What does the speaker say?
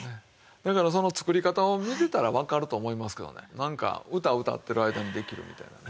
だからその作り方を見てたらわかると思いますけどねなんか歌を歌ってる間にできるみたいなね。